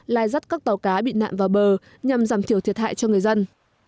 lai dắt các tàu cá bị nạn vào bờ nhằm giảm thiểu thiệt hại cho người dân